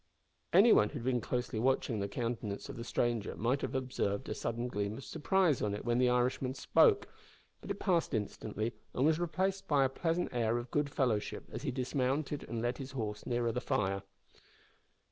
Anyone who had been closely watching the countenance of the stranger might have observed a sudden gleam of surprise on it when the Irishman spoke, but it passed instantly, and was replaced by a pleasant air of good fellowship as he dismounted and led his horse nearer the fire.